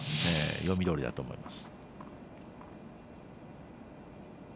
読みどおりだと思います。